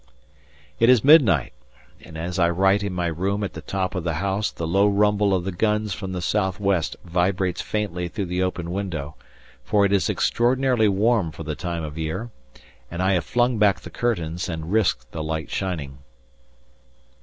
_ It is midnight, and as I write in my room at the top of the house the low rumble of the guns from the south west vibrates faintly through the open window, for it is extraordinarily warm for the time of year, and I have flung back the curtains and risked the light shining.